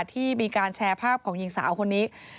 ที่มีการแชร์ภาพของหญิงสาวคนนี้